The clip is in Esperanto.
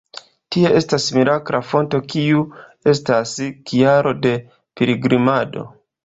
Tie estas mirakla fonto kiu estas kialo de pilgrimado.